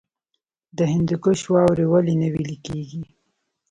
د هندوکش واورې ولې نه ویلی کیږي؟